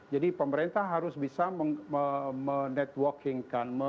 jadi pemerintah harus bisa menetworkingkan